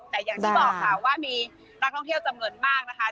แต่อย่างที่บอกค่ะว่ามีนักท่องเที่ยวจำนวนมากนะคะ